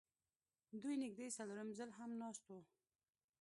دوی نږدې څلورم ځل هم ناست وو